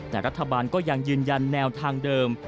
แต่รัฐบาลก็ยังยืนยันแนวทางเดิม